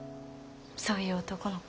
そういう男の子。